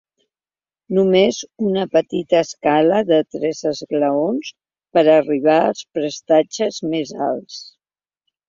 Només una petita escala de tres esglaons per arribar als prestatges més alts.